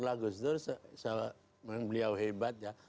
ya maksudnya gus dur menurut beliau hebat ya